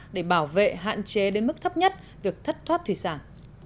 để bảo vệ hạn chế đến mức thấp nhất việc thất thoát thủy sản